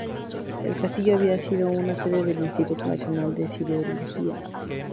El castillo había sido la sede del Instituto Nacional de la Siderurgia.